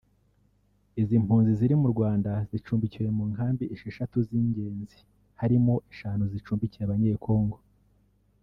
Izi mpunzi ziri mu Rwanda zicumbikiwe mu nkambi esheshatu z’ingenzi harimo eshanu zicumbikiye Abanyekongo